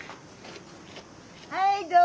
はいどうもね。